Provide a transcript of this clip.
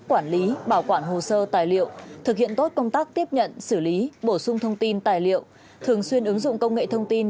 quản lý bảo quản hồ sơ tài liệu thực hiện tốt công tác tiếp nhận xử lý bổ sung thông tin tài liệu thường xuyên ứng dụng công nghệ thông tin